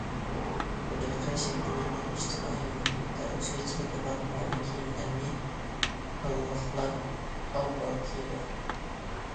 تەبىقە شەكىللەنگەن ئىجتىمائىي مۇھىتتا ئۆزگىچىلىكى بار مودا كىيىملەرنى ھاللىقلار ئاۋۋال كىيىدۇ.